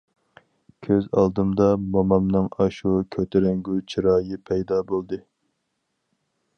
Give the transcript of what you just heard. كۆز ئالدىمدا مومامنىڭ ئاشۇ كۆتۈرەڭگۈ چىرايى پەيدا بولدى.